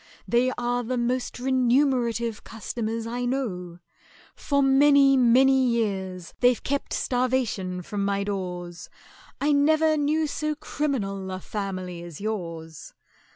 They are the most remunerative customers I know; For many many years they've kept starvation from my doors: I never knew so criminal a family as yours!